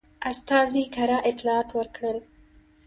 استازي کره اطلاعات ورکړل.